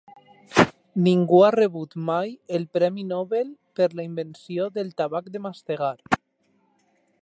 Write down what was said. Ningú ha rebut mai el premi Nobel per la invenció del tabac de mastegar.